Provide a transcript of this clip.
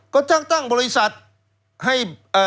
ก็ตั้งบริษัทให้